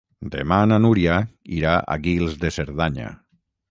Demà na Núria irà a Guils de Cerdanya.